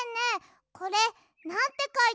これなんてかいてあるの？